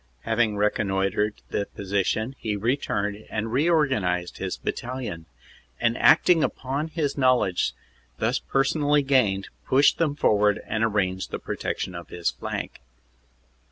Having recon noitred the position, he returned and reorganized his battalion, 12 162 CANADA S HUNDRED DAYS and acting upon his knowledge thus personally gained, pushed them forward and arranged the protection of his flank.